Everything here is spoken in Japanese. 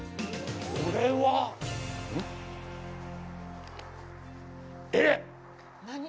これは。えっ！